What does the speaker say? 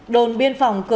đồn biên phòng cửa